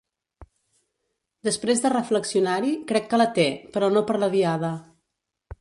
Després de reflexionar-hi, crec que la té, però no per la Diada.